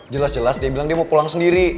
jelas jelas dia bilang dia mau pulang sendiri